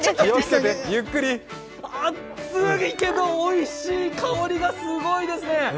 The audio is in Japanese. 熱いけど、おいしい香りがすごいですね。